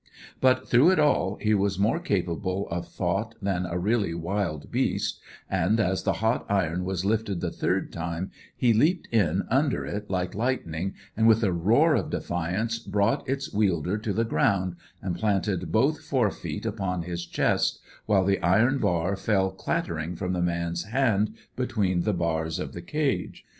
But, through it all, he was more capable of thought than a really wild beast, and, as the hot iron was lifted the third time, he leaped in under it like lightning, and with a roar of defiance brought its wielder to the ground, and planted both fore feet upon his chest, while the iron bar fell clattering from the man's hand between the bars of the cage.